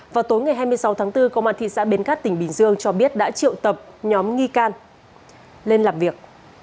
vào tối ngày hai mươi sáu tháng bốn công an thị xã bến cát tỉnh bình dương cho biết đã triệu tập nhóm nghi can lên làm việc